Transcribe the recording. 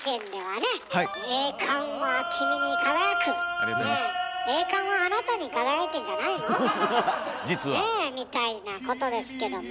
ねえみたいなことですけども。